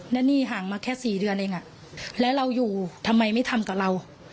และนี่ห่างมาแค่๔เดือนเองแล้วเราอยู่ทำไมไม่ทำกับเรา